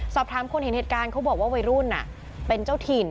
สอบถามคนเห็นเหตุการณ์เขาบอกว่าวัยรุ่นเป็นเจ้าถิ่น